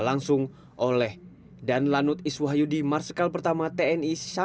langsung oleh dan lanut iswahyu di marskal pertama tni samsul rizal mot merupakan latihan bersama